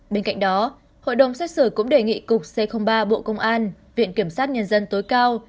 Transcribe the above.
bên cạnh đó hội đồng xét xử cũng đề nghị cục c ba bộ công an viện kiểm sát nhân dân tối cao